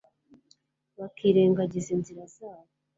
bakirengagiza inzira zayo